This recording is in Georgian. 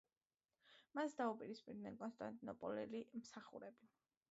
მას დაუპირისპირდნენ კონსტანტინოპოლელი მსახურები.